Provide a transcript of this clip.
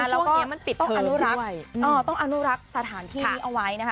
เราก็ต้องอนุรักษ์สถานที่เอาไว้นะคะ